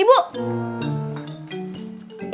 ibu lagi nyuruh